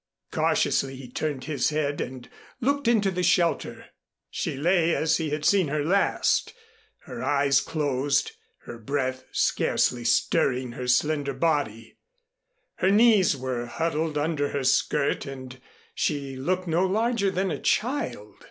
Cautiously he turned his head and looked into the shelter. She lay as he had seen her last, her eyes closed, her breath scarcely stirring her slender body. Her knees were huddled under her skirt and she looked no larger than a child.